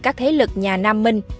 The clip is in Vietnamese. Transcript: các thế lực nhà nam minh